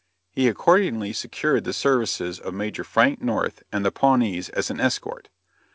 He accordingly secured the services of Major Frank North and the Pawnees as an escort.